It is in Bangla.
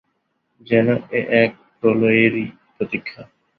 যেন এ এক প্রলয়েরই প্রতীক্ষা।